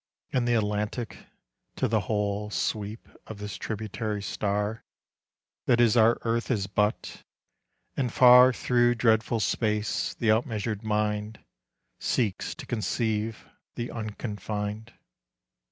And the Atlantic to the whole Sweep of this tributary star That is our earth is but ... and far Through dreadful space the outmeasured mind Seeks to conceive the unconfined.